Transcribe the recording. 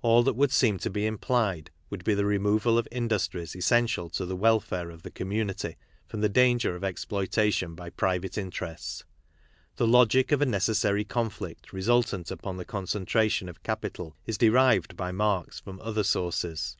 All that would seem to be implied would be the, removal of industries essential to the welfare of the community from the danger of exploitation by private interests. The logic of a necessary conflict resultant upon the concentration of capital is derived by Marx from other sources.